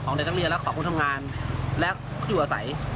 ของในทางเรียนแล้วของผู้ทำงานและอยู่อาศัย